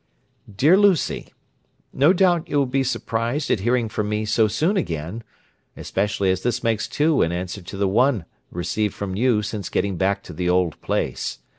Dear Lucy: No doubt you will be surprised at hearing from me so soon again, especially as this makes two in answer to the one received from you since getting back to the old place.